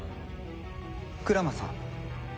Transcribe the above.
鞍馬さん